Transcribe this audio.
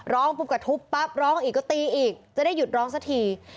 ร้องปุ๊บก็ทุบปั๊บร้องอีกก็ตีอีกจะได้หยุดร้องสักที